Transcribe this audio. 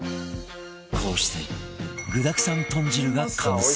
こうして具だくさん豚汁が完成